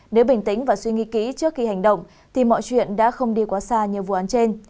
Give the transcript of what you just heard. nếu bình tĩnh và suy nghĩ kỹ trước khi hành động thì mọi chuyện đã không đi quá xa như vụ án trên